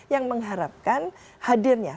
yang mengharapkan hadirnya